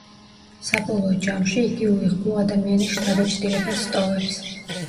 საბოლოო ჯამში იგი უიღბლო ადამიანის შთაბეჭდილებას სტოვებს.